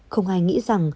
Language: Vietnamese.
không ai nghĩ rằng